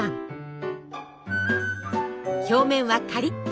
表面はカリッと。